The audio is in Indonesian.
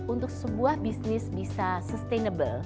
untuk sebuah bisnis bisa sustainable